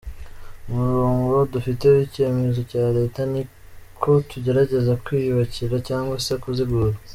Umurongo dufite w’icyemezo cya leta ni uko tugerageza kwiyubakira cyangwa se kuzigura.